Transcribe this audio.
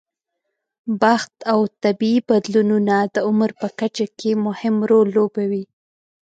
بخت او طبیعي بدلونونه د عمر په کچه کې مهم رول لوبوي.